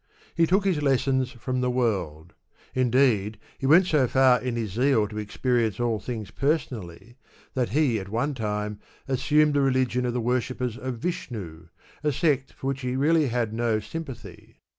He took his lessons firom the world; indeed he went so £u: in his zeal to experience all things personally that he at one time assumed the religion of the worshippers of Vishnu, a sect for which he really had no sympathy.